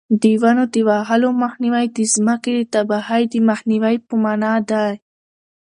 د ونو د وهلو مخنیوی د ځمکې د تباهۍ د مخنیوي په مانا دی.